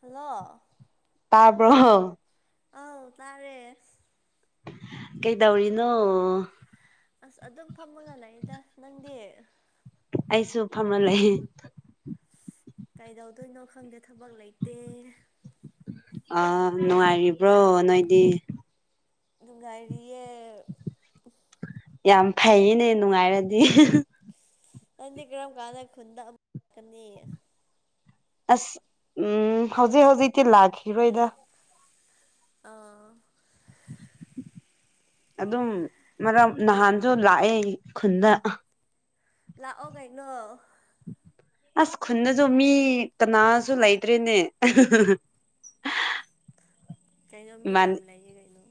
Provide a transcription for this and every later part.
hello ꯇꯥꯔꯕ꯭ꯔꯣ ꯑꯥꯎ ꯇꯥꯔꯦ ꯀꯩꯗꯧꯔꯤꯅꯣ ꯑꯁ ꯑꯗꯨꯝ ꯐꯝꯃꯒ ꯂꯩꯗ ꯅꯪꯗꯤ ꯑꯩꯁꯨ ꯐꯝꯃ ꯂꯩ ꯀꯩꯗꯧꯗꯣꯏꯅꯣ ꯈꯪꯗꯦ ꯊꯕꯛ ꯂꯩꯇꯦ ꯑꯥ ꯅꯨꯡꯉꯥꯏꯔꯤꯕ꯭ꯔꯣ ꯅꯣꯏꯗꯤ ꯅꯨꯡꯉꯥꯏꯔꯤꯌꯦ ꯌꯥꯝ ꯐꯩꯅꯦ ꯅꯨꯡꯉꯥꯏꯔꯗꯤ ꯅꯪꯗꯤ ꯀꯔꯝ ꯀꯥꯟꯗ ꯈꯨꯟꯗ ꯑꯃꯛ ꯂꯛꯀꯅꯤ ꯑꯁ ꯎꯝ ꯍꯧꯖꯤꯛ ꯍꯧꯖꯤꯛꯇꯤ ꯂꯥꯛꯈꯤꯔꯣꯏꯗ ꯑꯥ ꯑꯗꯨꯝ ꯃꯔꯛ ꯅꯍꯥꯟꯁꯨ ꯂꯥꯛꯑꯦ ꯈꯨꯟꯗ ꯂꯥꯛꯑꯣ ꯀꯩꯅꯣ ꯑꯁ ꯈꯨꯟꯗꯁꯨ ꯃꯤ ꯀꯅꯥꯁꯨ ꯂꯩꯇ꯭ꯔꯦꯅꯦ ꯀꯩꯅꯣ ꯃꯤ ꯏꯃꯥꯟ ꯌꯥꯝ ꯂꯩꯌꯦ ꯀꯩꯅꯣ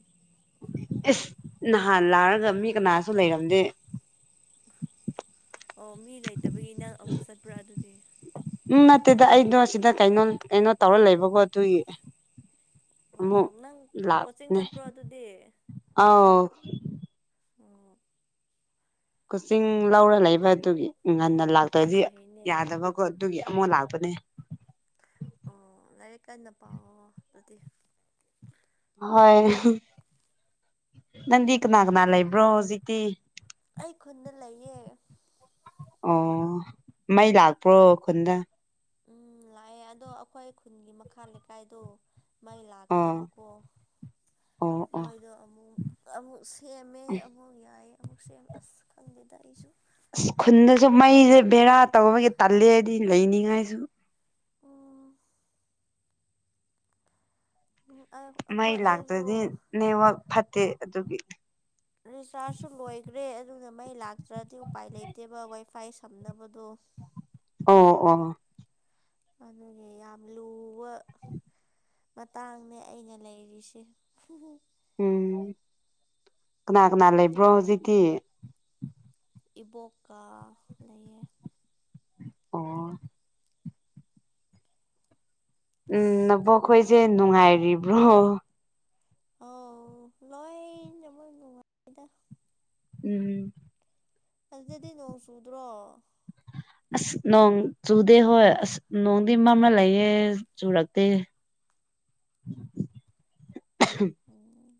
ꯏꯁ ꯅꯍꯥꯟ ꯂꯥꯛꯔꯒ ꯃꯤ ꯀꯅꯥꯁꯨ ꯂꯩꯔꯝꯗꯦ ꯑꯣ ꯃꯤ ꯂꯩꯇꯕꯒꯤ ꯅꯪ ꯑꯃꯨꯛ ꯆꯠꯄ꯭ꯔꯥ ꯑꯗꯨꯗꯤ ꯎꯝ ꯅꯠꯇꯦꯗ ꯑꯩꯗꯣ ꯁꯤꯗ ꯀꯩꯅꯣ ꯀꯩꯅꯣ ꯇꯧꯔ ꯂꯩꯕꯀꯣ ꯑꯗꯨꯒꯤ ꯑꯣ ꯑꯃꯨꯛ ꯅꯪ ꯀꯣꯆꯤꯡ ꯂꯥꯛꯄꯅꯦ ꯆꯠꯄ꯭ꯔꯣ ꯑꯗꯨꯗꯤ ꯑꯥꯎ ꯑꯣ ꯀꯣꯆꯤꯡ ꯂꯧꯔ ꯂꯩꯕ ꯑꯗꯨꯒꯤ ꯉꯟꯅ ꯌꯥꯝ ꯂꯥꯛꯇ꯭ꯔꯗꯤ ꯐꯩꯅꯦ ꯌꯥꯗꯕ ꯀꯣ ꯑꯗꯨꯒꯤ ꯑꯃꯨꯛ ꯂꯥꯛꯄꯅꯦ ꯑꯣ ꯂꯥꯏꯔꯤꯛ ꯀꯥꯟꯅ ꯄꯥꯎꯑꯣ ꯑꯗꯨꯗꯤ ꯍꯣꯏ ꯅꯪꯗꯤ ꯀꯅꯥ ꯀꯅꯥ ꯂꯩꯕ꯭ꯔꯣ ꯍꯧꯖꯤꯛꯇꯤ ꯑꯩ ꯈꯨꯟꯗ ꯂꯩꯌꯦ ꯑꯣ ꯃꯩ ꯂꯥꯛꯄ꯭ꯔꯣ ꯈꯨꯟꯗ ꯎꯝ ꯂꯥꯛꯑꯦ ꯑꯗꯣ ꯑꯩꯈꯣꯏ ꯈꯨꯟꯒꯤ ꯃꯈꯥ ꯂꯩꯀꯥꯏꯗꯣ ꯃꯩ ꯑꯣ ꯂꯥꯛꯇꯕꯀꯣ ꯑꯣ ꯑꯣ ꯃꯣꯏꯗꯣ ꯑꯃꯨꯛ ꯑꯃꯨꯛ ꯁꯦꯝꯃꯦ ꯑꯃꯨꯛ ꯌꯥꯏꯌꯦ ꯑꯃꯨꯛ ꯁꯦꯝꯃꯦ ꯑꯁ ꯈꯪꯗꯦꯗ ꯑꯩꯁꯨ ꯑꯋ ꯈꯨꯟꯗꯁꯨ ꯃꯩꯁꯦ ꯕꯦꯔꯥ ꯇꯧꯕꯒꯤ ꯇꯜꯂꯦꯗꯤ ꯂꯩꯅꯤꯡꯉꯥꯏꯁꯨ ꯑꯣ ꯎ ꯑ [unintelligible] ꯃꯩ ꯂꯥꯛꯇ꯭ꯔꯗꯤ ꯅꯦꯋꯥꯛ ꯐꯠꯇꯦ ꯑꯗꯨꯒꯤ ꯔꯤꯆꯥꯔꯖꯁꯨ ꯂꯣꯏꯒ꯭ꯔꯦ ꯑꯗꯨꯅ ꯃꯩ ꯂꯥꯛꯇ꯭ꯔꯗꯤ ꯎꯄꯥꯏ ꯂꯩꯇꯦꯕ ꯋꯥꯏ ꯐꯥꯏ ꯁꯝꯅꯕꯗꯣ [unintelligible] ꯑꯣ ꯑꯣ ꯑꯗꯨꯒꯤ ꯌꯥꯝ ꯂꯨꯕ ꯃꯇꯥꯡꯅꯦ ꯑꯩꯅ ꯂꯩꯔꯤꯁꯦ ꯎꯝ ꯀꯅꯥ ꯀꯅꯥ ꯂꯩꯕ꯭ꯔꯣ ꯍꯧꯖꯤꯛꯇꯤ ꯏꯕꯣꯛꯀꯥ ꯂꯩꯌꯦ ꯑꯣ ꯎꯝ ꯑꯁ ꯅꯕꯣꯛꯈꯣꯏꯖꯦ ꯅꯨꯡꯉꯥꯏꯔꯤꯕ꯭ꯔꯣ ꯑꯥꯎ ꯂꯣꯏꯅꯃꯛ ꯅꯨꯡꯉꯥꯏꯗ ꯎꯝ ꯑꯗꯨꯗꯗꯤ ꯅꯣꯡ ꯆꯨꯗ꯭ꯔꯣ ꯑꯁ ꯅꯣꯡ ꯆꯨꯗꯦ ꯍꯣꯏ ꯑꯁ ꯅꯣꯡꯗꯤ ꯃꯝꯂ ꯂꯩꯌꯦ ꯆꯨꯔꯛꯇꯦ ꯎꯝ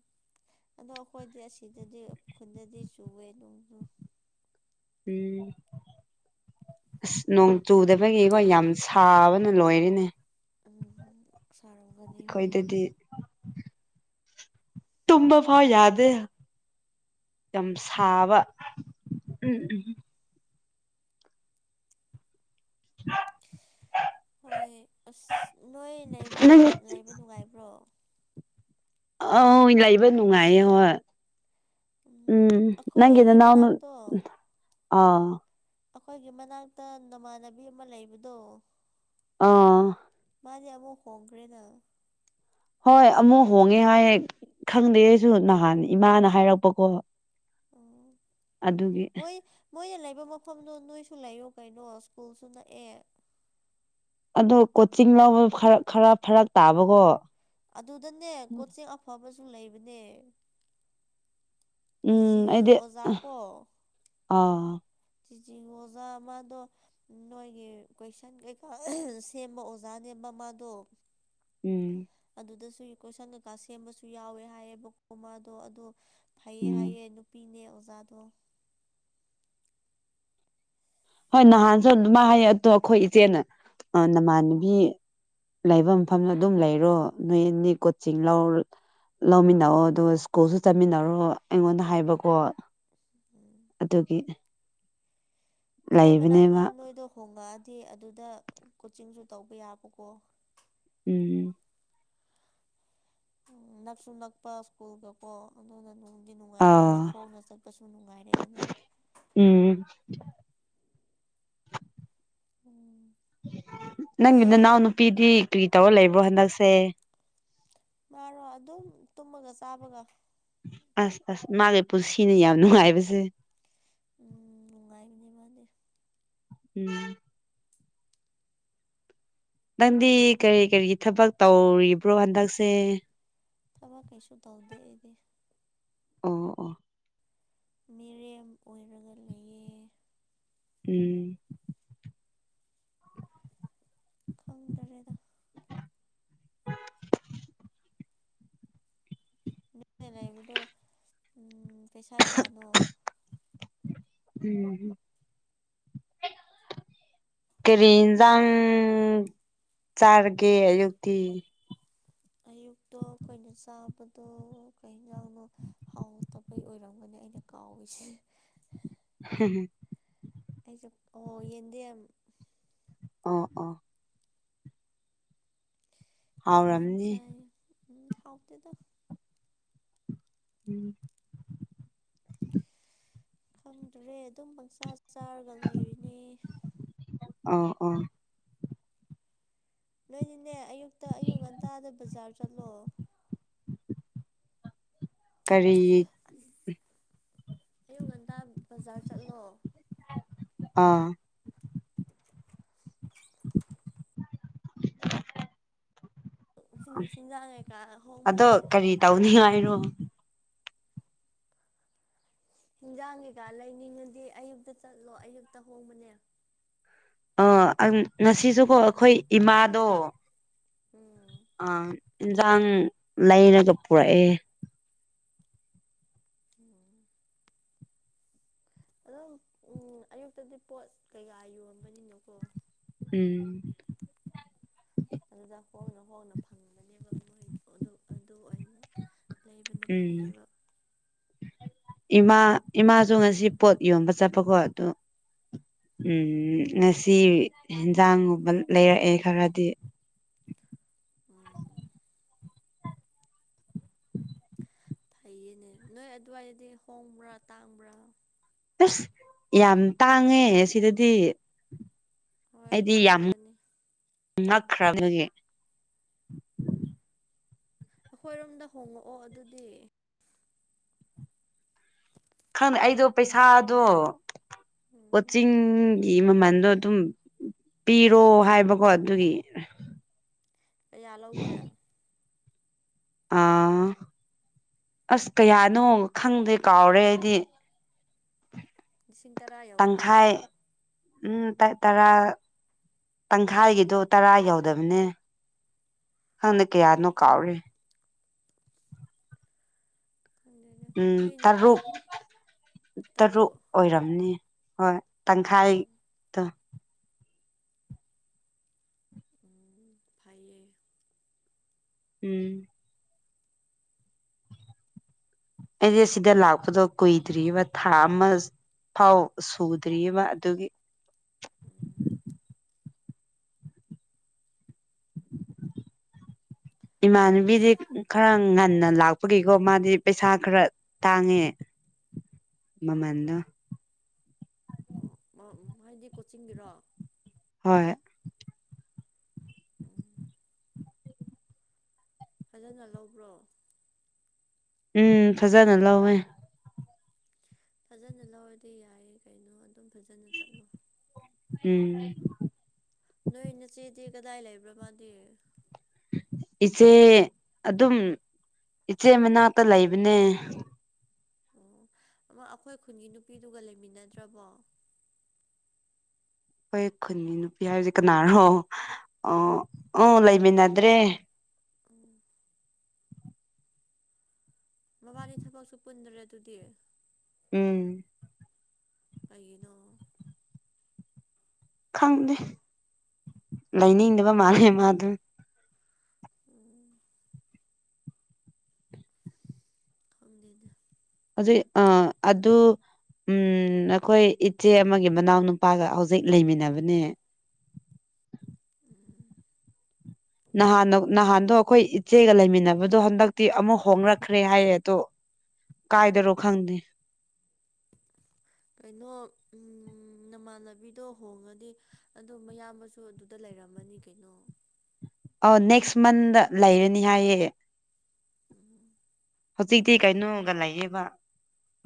ꯑꯗꯣ ꯑꯈꯣꯏꯗꯤ ꯑꯁꯤꯗꯗꯤ ꯈꯨꯟꯗꯗꯤ ꯆꯨꯋꯦ ꯑꯗꯨ [unintelligible] ꯎꯝ ꯑꯁ ꯅꯣꯡ ꯆꯨꯗꯕꯒꯤꯀꯣ ꯌꯥꯝ ꯁꯥꯕꯅ ꯂꯣꯏꯔꯦꯅꯦ ꯎꯝ ꯁꯥꯔꯝꯒꯅꯤ ꯍꯣꯏ ꯑꯩꯈꯣꯏꯗꯗꯤ ꯇꯨꯝꯕ ꯐꯥꯎ ꯌꯥꯗꯦ ꯌꯥꯝ ꯁꯥꯕ ꯎꯝ [unintelligible] ꯍꯣꯏ ꯑꯁ ꯅꯣꯏ ꯂꯩꯕꯗꯣ ꯅꯪ ꯅꯨ ꯂꯩꯕ ꯅꯨꯡꯉꯥꯏꯕ꯭ꯔꯣ ꯑꯥꯎ ꯂꯩꯕ ꯅꯨꯡꯉꯥꯏꯌꯦ ꯍꯣꯏ ꯎꯝ ꯅꯪꯒꯤ ꯑꯩꯈꯣꯏꯒꯤ ꯅꯅꯥꯎꯅꯨ ꯃꯅꯥꯛꯇꯣ ꯑ ꯑꯈꯣꯏꯒꯤ ꯃꯅꯥꯛꯇ ꯅꯃꯥꯟꯅꯕꯤ ꯑꯃ ꯂꯩꯕꯗꯣ ꯑꯥ ꯃꯥꯗꯤ ꯑꯃꯨꯛ ꯍꯣꯡꯒ꯭ꯔꯦꯅ ꯍꯣꯏ ꯑꯃꯨꯛ ꯍꯣꯡꯉꯦ ꯍꯥꯏꯌꯦ ꯈꯪꯗꯦ ꯑꯩꯁꯨ ꯅꯍꯥꯟ ꯏꯃꯥꯅ ꯍꯥꯏꯔꯛꯄꯀꯣ ꯑꯣ ꯑꯗꯨꯒꯤ ꯃꯣꯏ ꯃꯣꯏꯅ ꯂꯩꯕ ꯃꯐꯝꯗꯣ ꯅꯣꯏꯁꯨ ꯂꯩꯌꯣ ꯀꯩꯅꯣ ꯁ꯭ꯀꯨꯜꯁꯨ ꯅꯛꯑꯦ ꯑꯗꯣ ꯀꯣꯆꯤꯡ ꯂꯧꯕ ꯈꯔ ꯈꯔ ꯐꯔꯛ ꯇꯥꯕꯒꯣ ꯑꯗꯨꯗꯅꯦ ꯀꯣꯆꯤꯡ ꯑꯐꯕꯁꯨ ꯂꯩꯕꯅꯦ ꯎꯝ ꯇꯤꯖꯤꯒꯤ ꯑꯩꯗꯤ ꯑꯣꯖꯥ ꯑꯥ ꯇꯤ ꯖꯤꯒꯤ ꯑꯣꯖꯥ ꯑꯃꯥꯗꯣ ꯅꯣꯏꯒꯤ ꯀꯣꯏꯁꯟ ꯀꯩꯀꯥ ꯁꯦꯝꯕ ꯑꯣꯖꯥꯅꯦꯕ ꯃꯥꯗꯣ ꯎꯝ ꯑꯗꯨꯗꯁꯨ ꯀꯣꯏꯁꯟ ꯀꯩꯀꯥ ꯁꯦꯝꯕꯁꯨ ꯌꯥꯎꯋꯦ ꯍꯥꯏꯌꯦꯕꯀꯣ ꯃꯥꯗꯣ ꯑꯗꯣ ꯐꯩꯌꯦ ꯎꯝ ꯍꯥꯏꯌꯦ ꯅꯨꯄꯤꯅꯦ ꯑꯣꯖꯥꯗꯣ ꯍꯣꯏ ꯅꯍꯥꯟꯖꯨ ꯑꯗꯨꯃꯥꯏ ꯍꯥꯏꯌꯦ ꯑꯗꯣ ꯑꯈꯣꯏ ꯏꯆꯦꯅ ꯑ ꯅꯃꯥꯟꯅꯕꯤ ꯂꯩꯕ ꯃꯐꯝꯗ ꯑꯗꯨꯝ ꯂꯩꯔꯣ ꯅꯣꯏ ꯑꯅꯤ ꯀꯣꯆꯤꯡ ꯂꯧ ꯂꯧꯃꯤꯟꯅꯧꯋꯣ ꯑꯗꯨꯒ ꯁ꯭ꯀꯨꯜꯁꯨ ꯆꯠꯃꯤꯟꯅꯔꯣ ꯑꯩꯉꯣꯟꯗ ꯍꯥꯏꯕꯀꯣ ꯎꯝ ꯑꯗꯨꯒꯤ ꯑꯈꯣꯏ ꯃꯅꯥꯛꯇ ꯂꯩꯕꯅꯦꯕ ꯅꯣꯏꯗꯣ ꯍꯣꯡꯉꯛꯑꯗꯤ ꯑꯗꯨꯗ ꯀꯣꯆꯤꯡꯖꯨ ꯇꯧꯕ ꯌꯥꯕꯀꯣ ꯎꯝ ꯎꯝ ꯅꯛꯁꯨ ꯅꯛꯄ ꯁ꯭ꯀꯨꯜꯒꯀꯣ ꯑꯗꯨꯅ ꯗꯤ ꯅꯨꯡꯉꯥꯏꯇ꯭ꯔꯦꯅꯦ ꯑꯥ ꯈꯣꯡꯅ ꯆꯠꯄꯁꯨ ꯅꯨꯡꯉꯥꯏꯔꯦꯗꯅ ꯎꯝ ꯑꯣ ꯅꯪꯒꯤ ꯅꯅꯥꯎ ꯅꯨꯄꯤꯗꯤ ꯀꯔꯤ ꯇꯧꯔ ꯂꯩꯕ꯭ꯔꯣ ꯍꯟꯗꯛꯁꯦ ꯃꯥꯔꯣ ꯑꯗꯨꯝ ꯇꯨꯝꯃꯒ ꯆꯥꯕꯒ ꯑꯁ ꯑꯁ ꯃꯥꯒꯤ ꯄꯨꯟꯁꯤꯅ ꯌꯥꯝ ꯅꯨꯡꯉꯥꯏꯕꯁꯦ ꯎꯝ ꯅꯨꯡꯉꯥꯏꯕꯅꯦ ꯃꯥꯅꯦ ꯎꯝ ꯅꯪꯗꯤ ꯀꯔꯤ ꯀꯔꯤꯒꯤ ꯊꯕꯛ ꯇꯧꯔꯤꯕ꯭ꯔꯣ ꯍꯟꯗꯛꯁꯦ ꯊꯕꯛ ꯀꯩꯁꯨ ꯇꯧꯗꯦ ꯑꯩꯗꯤ ꯑꯣ ꯑꯣ ꯃꯤꯔꯦꯝ ꯑꯣꯏꯔꯒ ꯂꯩꯌꯦ ꯎꯝ ꯈꯪꯗꯔꯦꯗ ꯅꯣꯏꯅꯦ ꯂꯩꯕꯗꯣ ꯎꯝ ꯄꯩꯁꯥ ꯀꯌꯥꯅꯣ ꯎꯝ [inaudible] ꯀꯔꯤ ꯌꯦꯟꯖꯥꯡ ꯆꯥꯔꯒꯦ ꯑꯌꯨꯛꯇꯤ ꯑꯌꯨꯛꯇꯣ ꯑꯩꯈꯣꯏꯅ ꯆꯥꯕꯗꯣ ꯀꯩ ꯍꯦꯟꯖꯥꯡꯅꯣ ꯍꯥꯎꯇꯕꯩ ꯑꯣꯏꯔꯝꯒꯅꯤ ꯑꯩꯅ ꯀꯥꯎꯔꯤꯁꯦ ꯍꯝ ꯑꯩꯁꯦ ꯑꯣ ꯌꯦꯟꯗꯦꯝ ꯑꯣ ꯑꯣ ꯌꯦꯗꯦꯝ ꯍꯥꯎꯔꯝꯅꯤ ꯆꯥꯏ ꯎꯝ ꯍꯥꯎꯇꯦꯗ ꯎꯝ ꯈꯪꯗ꯭ꯔꯦ ꯑꯗꯨꯝ ꯄꯪꯆꯥ ꯆꯥꯔꯒ ꯂꯩꯔꯤꯅꯤ ꯑꯣ ꯑꯣ ꯅꯣꯏꯅꯦꯅꯦ ꯑꯌꯨꯛꯇ ꯑꯌꯨꯛ ꯉꯟꯇꯥꯗ ꯕꯖꯥꯔ ꯆꯠꯂꯣ ꯀꯔꯤ ꯑꯁ ꯑꯌꯨꯛ ꯉꯟꯇꯥ ꯕꯖꯥꯔ ꯆꯠꯂꯣ ꯑꯥ [inaudible] ꯆꯤꯟꯖꯥꯡꯉꯩꯀꯥ ꯍꯣꯡꯕꯅꯦ ꯇꯥꯎꯅꯤ ꯍꯥꯏꯔꯣ ꯍꯤꯟꯖꯥꯡ ꯀꯩꯀꯥ ꯂꯩꯅꯤꯡꯉꯗꯤ ꯑꯌꯨꯛꯇ ꯆꯠꯂꯣ ꯑꯌꯨꯛꯇ ꯍꯣꯡꯕꯅꯦ ꯑ ꯉꯁꯤꯁꯨꯀꯣ ꯑꯩꯈꯣꯏ ꯏꯃꯥꯗꯣ ꯎꯝ ꯑꯥ ꯏꯟꯁꯥꯡ ꯂꯩꯔꯒ ꯄꯨꯔꯛꯑꯦ ꯑꯣ ꯑꯗꯝ ꯎꯝ ꯑꯌꯨꯛꯇꯗꯤ ꯄꯣꯠ ꯀꯩꯀꯥ ꯌꯣꯟꯕꯅꯤꯅꯀꯣ ꯎꯝ ꯑꯗꯨꯗ ꯍꯣꯡꯅ ꯍꯣꯡꯅ ꯐꯪꯕꯅꯦꯕ ꯃꯣꯏ ꯑꯗꯨ ꯑꯗꯨ ꯑꯣꯏꯅ ꯂꯩꯕꯅ ꯎꯝ ꯐꯩꯌꯦꯕ ꯏꯃꯥ ꯏꯃꯥꯁꯨ ꯉꯁꯤ ꯄꯣꯠ ꯌꯣꯟꯕ ꯆꯠꯄꯀꯣ ꯑꯗꯨ ꯎꯝ ꯉꯁꯤ ꯏꯟꯖꯥꯡꯒꯨꯝꯕ ꯂꯩꯔꯛꯑꯦ ꯈꯔꯗꯤ ꯎꯝ ꯐꯩꯌꯦꯅꯦ ꯅꯣꯏ ꯑꯗꯨꯋꯥꯏꯗꯗꯤ ꯍꯣꯡꯕ꯭ꯔꯥ ꯇꯥꯡꯕ꯭ꯔꯥ ꯑꯁ ꯌꯥꯝ ꯇꯥꯡꯉꯦ ꯁꯤꯗꯗꯤ ꯍꯣꯏ ꯑꯩꯗꯤ ꯌꯥꯝ ꯇꯥꯡꯉꯝꯒꯅꯤ ꯉꯛꯈ꯭ꯔꯕꯒꯤ ꯑꯩꯈꯣꯏꯔꯣꯝꯗ ꯍꯣꯡꯉꯛꯑꯣ ꯑꯗꯨꯗꯤ ꯈꯪꯗꯦ ꯑꯩꯗꯣ ꯄꯩꯁꯥꯗꯣ ꯎꯝ ꯀꯣꯆꯤꯡ [unintelligible] ꯒꯤ ꯃꯃꯟꯗꯣ ꯑꯗꯨꯝ ꯄꯤꯔꯣ ꯍꯥꯏꯕꯀꯣ ꯑꯗꯨꯒꯤ ꯀꯌꯥ ꯂꯧꯒꯦ ꯑꯥ ꯑꯁ ꯀꯌꯥꯅꯣ ꯈꯪꯗꯦ ꯀꯥꯎꯔꯦ ꯑꯩꯗꯤ ꯂꯤꯁꯤꯡ ꯇꯔꯥ ꯌꯧꯕ꯭ꯔꯣ ꯇꯪꯈꯥꯏ ꯎꯝ [unintelligible] ꯇꯔꯥ ꯇꯪꯈꯥꯏꯒꯤꯗꯣ ꯇꯔꯥ ꯌꯧꯗꯕꯅꯦ ꯈꯡꯗꯦ ꯎꯝ ꯀꯌꯥꯅꯣ ꯀꯥꯎꯔꯦ ꯈꯪꯗꯦꯅꯦ ꯎꯝ ꯅꯣꯏ ꯇꯔꯨꯛ ꯇꯔꯨꯛ ꯑꯣꯏꯔꯝꯅꯤ ꯍꯣꯏ ꯇꯪꯈꯥꯏ [inaudible] ꯎꯝ ꯐꯩꯌꯦ ꯎꯝ ꯑꯩꯗꯤ ꯁꯤꯗ ꯂꯥꯛꯄꯗꯣ ꯀꯨꯏꯗ꯭ꯔꯤꯕ ꯊꯥ ꯑꯃ ꯐꯥꯎ ꯁꯨꯗ꯭ꯔꯤꯕ ꯑꯗꯨꯒꯤ [inaudible] ꯏꯃꯥꯟꯅꯕꯤꯗꯤ ꯑꯁ ꯈꯔ ꯉꯟꯅ ꯂꯥꯛꯄꯒꯤꯀꯣ ꯃꯥꯗꯤ ꯄꯩꯁꯥ ꯈꯔ ꯇꯥꯡꯉꯦ ꯃꯃꯟꯗꯣ ꯑꯣ ꯍꯥꯏꯗꯤ ꯀꯣꯆꯤꯡꯒꯤꯔꯣ ꯍꯣꯏ [inaudible] ꯐꯖꯅ ꯂꯧꯕ꯭ꯔꯣ ꯎꯝ ꯐꯖꯅ ꯂꯧꯋꯦ ꯐꯖꯅ ꯂꯧꯔꯗꯤ ꯌꯥꯏꯌꯦ ꯀꯩꯅꯣ ꯑꯗꯨꯝ ꯐꯖꯅ ꯆꯠꯂꯣ ꯎꯝ ꯅꯣꯏ ꯅꯆꯦꯗꯤ ꯀꯗꯥꯏ ꯂꯩꯕ꯭ꯔ ꯃꯥꯗꯤ ꯏꯆꯦ ꯑꯗꯨꯝ ꯏꯆꯦ ꯃꯅꯥꯛꯇ ꯂꯩꯕꯅꯦ ꯑꯣ ꯑꯃ ꯑꯩꯈꯣꯏ ꯈꯨꯟꯒꯤ ꯅꯨꯄꯤꯗꯨꯒ ꯂꯩꯃꯤꯟꯅꯗ꯭ꯔꯕꯣ ꯑꯩꯈꯣꯏ ꯈꯨꯟꯒꯤ ꯅꯨꯄꯤ ꯍꯥꯏꯕꯁꯤ ꯀꯅꯥꯔꯣ ꯑꯣ ꯎ ꯂꯩꯃꯤꯟꯅꯗ꯭ꯔꯦ ꯎꯝ ꯃꯕꯥꯅꯤ ꯊꯕꯛꯁꯨ ꯄꯨꯟꯗ꯭ꯔꯦ ꯑꯗꯨꯗꯤ ꯎꯝ ꯀꯩꯒꯤꯅꯣ ꯈꯪꯗꯦ ꯂꯩꯅꯤꯡꯗꯕ ꯃꯥꯜꯂꯦ ꯃꯥ ꯗꯨ ꯎꯝ ꯈꯪꯗꯦꯗ ꯑꯥꯗꯨꯏ ꯑ ꯑꯗꯨ ꯎꯝ ꯑꯩꯈꯣꯏ ꯏꯆꯦ ꯑꯃꯒꯤ ꯃꯅꯥꯎ ꯅꯨꯄꯥꯒ ꯍꯧꯖꯤꯛ ꯂꯩꯃꯤꯟꯅꯕꯅꯦ ꯎꯝ ꯅꯍꯥꯟ ꯅꯍꯥꯟꯗꯣ ꯑꯩꯈꯣꯏ ꯏꯆꯦꯒ ꯂꯩꯃꯤꯟꯅꯕꯗꯣ ꯍꯟꯗꯛꯇꯤ ꯑꯃꯨꯛ ꯍꯣꯡꯅꯛꯈ꯭ꯔꯦ ꯍꯥꯏꯌꯦ ꯑꯗꯣ ꯀꯥꯏꯗꯔꯣ ꯈꯪꯗꯦ ꯀꯩꯅꯣ ꯎꯝ ꯅꯃꯥꯟꯅꯕꯤꯗꯣ ꯍꯣꯡꯉꯗꯤ ꯑꯗꯣ ꯃꯌꯥꯝꯕꯁꯨ ꯑꯗꯨꯗ ꯂꯩꯔꯝꯃꯅꯤ ꯀꯩꯅꯣ ꯑꯧ ꯅꯦꯛꯁ ꯃꯟꯗ ꯂꯩꯔꯅꯤ ꯍꯥꯏꯌꯦ ꯎꯝ ꯍꯧꯖꯤꯛꯇꯤ ꯀꯩꯅꯣꯒ ꯂꯩꯌꯦꯕ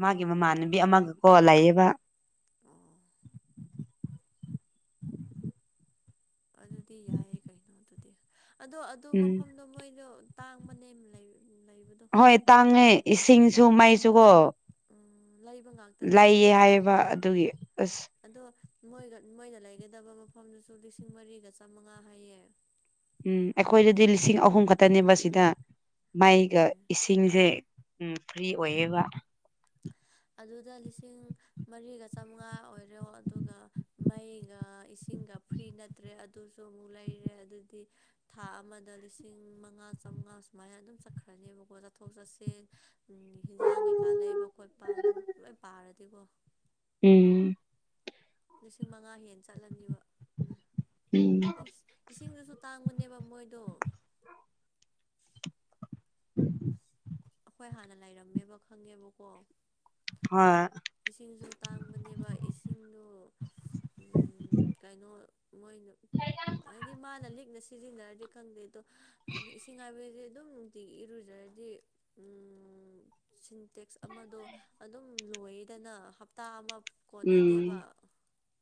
ꯃꯥꯒꯤ ꯃꯃꯥꯟꯅꯕꯤ ꯑꯃꯒꯀꯣ ꯂꯩꯌꯦꯕ ꯑꯣ ꯑꯗꯨꯗꯤ ꯌꯥꯏꯌꯦꯦ ꯀꯩꯅꯣ ꯑꯗꯨꯗꯤ ꯑꯗꯣ ꯑꯗꯨ ꯎꯝ ꯃꯐꯝꯗꯣ ꯃꯣꯏꯗꯣ ꯇꯥꯡꯕꯅꯦꯝ ꯂꯩ ꯂꯩꯕꯗꯣ ꯍꯣꯏ ꯇꯥꯡꯉꯦ ꯏꯁꯤꯡꯁꯨ ꯃꯩꯁꯨꯀꯣ ꯂꯩꯕ ꯉꯥꯛꯇꯅꯦꯕ ꯂꯩꯌꯦ ꯍꯥꯏꯌꯦꯕ ꯑꯗꯨꯒꯤ ꯑꯁ ꯑꯗꯣ ꯃꯣꯏꯒ ꯃꯣꯏꯅ ꯂꯩꯒꯗꯕ ꯃꯐꯝꯗꯨꯁꯨ ꯂꯤꯁꯤꯡ ꯃꯔꯤꯒ ꯆꯥꯃꯉꯥ ꯍꯥꯏꯌꯦ ꯎꯝ ꯑꯩꯈꯣꯏꯗꯗꯤ ꯂꯤꯁꯤꯡ ꯑꯍꯨꯝ ꯈꯛꯇꯅꯦꯕ ꯁꯤꯗ ꯃꯥꯏꯒ ꯏꯁꯤꯡꯁꯦ ꯎꯝ ꯐ꯭ꯔꯤ ꯑꯣꯏꯌꯦꯕ ꯑꯗꯨꯗ ꯂꯤꯁꯤꯡ ꯃꯔꯤꯒ ꯆꯥꯝꯉꯥ ꯑꯣꯏꯔꯣ ꯑꯗꯨꯒ ꯃꯩꯒ ꯏꯁꯤꯡꯒ ꯐ꯭ꯔꯤ ꯅꯠꯇ꯭ꯔꯦ ꯑꯗꯨꯁꯨ ꯑꯃꯨꯛ ꯂꯩꯔꯦ ꯑꯗꯨꯗꯤ ꯊꯥ ꯑꯃꯗ ꯂꯤꯁꯤꯡ ꯃꯉꯥ ꯆꯥꯝꯃꯉꯥ ꯁꯨꯃꯥꯏꯅ ꯑꯗꯨꯝ ꯆꯠꯈ꯭ꯔꯅꯦꯕꯀꯣ ꯆꯠꯊꯣꯛ ꯆꯠꯁꯤꯟ ꯎ ꯍꯤꯟꯖꯥꯡ ꯀꯩꯀꯥ ꯂꯩꯕ ꯈꯣꯠꯄ ꯑꯗꯨꯝ ꯂꯣꯏ ꯄꯥꯔꯗꯤꯀꯣ ꯎꯝ ꯂꯤꯁꯤꯡ ꯃꯉꯥ ꯍꯦ ꯆꯠꯍꯟꯕ ꯎꯝ ꯑꯁ ꯏꯁꯤꯡꯗꯨꯁꯨ ꯇꯥꯡꯕꯅꯦꯕ ꯃꯣꯏꯗꯣ ꯎꯝ ꯑꯩꯈꯣꯏ ꯍꯥꯟꯅ ꯂꯩꯔꯝꯃꯦꯕ ꯈꯪꯉꯦꯕꯀꯣ ꯍꯣꯏ ꯏꯁꯤꯡꯁꯨ ꯇꯥꯡꯕꯅꯦꯕ ꯏꯁꯤꯡꯗꯣ ꯀꯩꯅꯣ ꯃꯣꯏꯅ ꯍꯥꯏꯗꯤ ꯃꯥꯅ ꯂꯤꯛꯅ ꯁꯤꯖꯤꯟꯅꯔꯗꯤ ꯈꯪꯗꯦ ꯑꯗꯣ ꯏꯁꯤꯡ ꯍꯥꯏꯥꯏꯕꯁꯦ ꯑꯗꯨꯝ ꯅꯨꯡꯇꯤꯒꯤ ꯏꯔꯨꯖ꯭ꯔꯗꯤ ꯇꯦꯛꯁ ꯑꯃꯗꯣ ꯑꯗꯨꯝ ꯂꯣꯏꯗꯅ ꯍꯞꯇꯥ ꯑꯃ ꯀꯣꯟꯅꯗꯦꯕ ꯎꯝ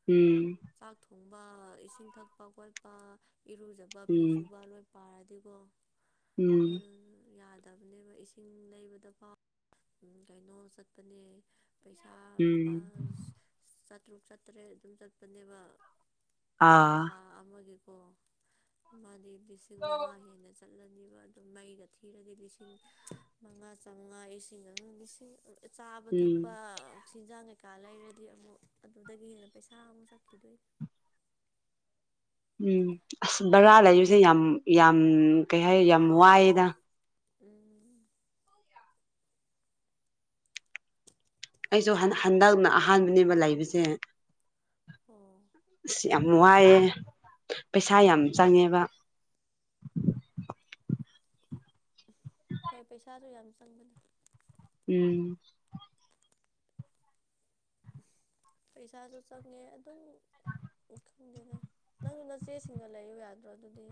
ꯎꯝ ꯆꯥꯛ ꯊꯣꯡꯕ ꯏꯁꯤꯡ ꯊꯛꯄ ꯈꯣꯠꯄ ꯏꯔꯨꯖꯕ ꯐꯤ ꯎꯝ ꯁꯨꯕ ꯂꯣꯏ ꯄꯥꯔꯗꯤꯀꯣ ꯎꯝ ꯑꯗꯨ ꯐꯠꯇꯕꯅꯦꯕ ꯏꯁꯤꯡ ꯂꯩꯕꯗ ꯄꯥꯎ ꯀꯩꯅꯣ ꯆꯠꯄꯅꯦ ꯄꯩꯁꯥ ꯂꯨꯄꯥ ꯎꯝ ꯆꯥꯇ꯭ꯔꯨꯛ ꯆꯥꯇꯔꯦꯠ ꯑꯗꯨꯝ ꯆꯠꯄꯅꯦꯕ ꯑꯥ ꯊꯥ ꯑꯃꯒꯤꯀꯣ ꯃꯥꯗꯤ ꯂꯤꯁꯤꯡ ꯃꯉꯥ ꯍꯦꯟꯅ ꯆꯠ ꯆꯠꯂꯅꯤꯕ ꯑꯗꯨꯝ ꯃꯩꯒ ꯊꯤꯔꯗꯤ ꯂꯤꯁꯤꯡ ꯃꯉꯥ ꯆꯥꯝꯃꯉꯥ ꯏꯁꯤꯡ ꯑꯃ ꯂꯤꯁꯤꯡ ꯆꯥꯕ ꯊꯛꯄ ꯎꯝ ꯆꯤꯟꯖꯥꯡ ꯀꯩꯀꯥ ꯂꯩꯔꯗꯤ ꯑꯃꯨꯛ ꯑꯗꯨꯗꯒꯤ ꯍꯦꯟꯅ ꯄꯩꯁꯥ ꯑꯃꯨꯛ ꯀꯛꯈꯤꯗꯣꯏ ꯎꯝ ꯑꯁ ꯕꯔꯥ ꯃꯥꯁꯦ ꯂꯩꯔꯤꯁꯦ ꯌꯥꯝ ꯌꯥꯝ ꯀꯩ ꯍꯥꯏ ꯌꯥꯝ ꯋꯥꯏꯑꯦꯗ ꯎꯝ ꯑꯩꯁꯨ ꯋꯥꯏ ꯍꯟꯗꯛꯅ ꯑꯍꯥꯟꯕꯅꯦꯕ ꯂꯩꯕꯁꯦ ꯑꯣ ꯑꯁꯤ ꯌꯥꯝ ꯋꯥꯏꯑꯦ ꯄꯩꯁꯥ ꯌꯥꯝ ꯆꯪꯉꯦꯕ ꯍꯣꯏ ꯄꯩꯁꯥꯁꯨ ꯌꯥꯝ ꯆꯪꯕꯅꯤ ꯎꯝ ꯄꯩꯁꯥꯁꯨ ꯆꯪꯉꯦ ꯑꯗꯨꯝ ꯎ ꯈꯪꯗꯦꯗ ꯅꯪꯁꯨ ꯅꯆꯦꯁꯤꯡꯒ ꯂꯩꯌ ꯌꯥꯗ꯭ꯔꯣ ꯑꯗꯨꯗꯤ